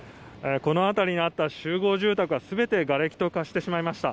このあたりにあった集合住宅は全てがれきと化してしまいました